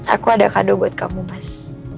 aku ada kado buat kamu mas